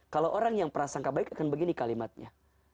kalau orang yang prasangka baik akan begini kalimatnya